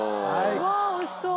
うわあおいしそう！